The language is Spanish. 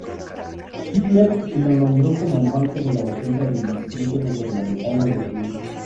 Hitler lo nombró comandante de la defensa del Distrito Gubernamental de Berlín.